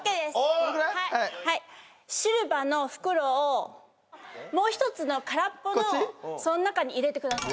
はいシルバーの袋をもう１つの空っぽのその中に入れてください